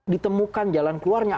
ditemukan jalan keluarnya